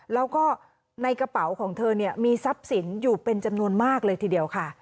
แล้วก็ในกระเป๋าของเธอเนี่ยมีทรัพย์สินอยู่เป็นจำนวนมากเลยทีเดียวค่ะ